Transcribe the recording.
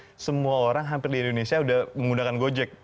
karena semua orang hampir di indonesia sudah menggunakan gojek